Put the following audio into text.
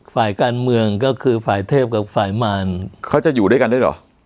ฝ่ายการเมืองก็คือฝ่ายเทพกับฝ่ายมารเขาจะอยู่ด้วยกันด้วยเหรอ